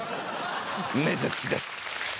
ねづっちです。